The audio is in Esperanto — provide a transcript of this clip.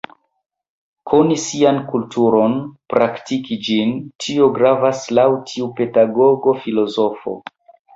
Koni sian kulturon, praktiki ĝin, tio gravas laŭ tiu pedagogo filozofo.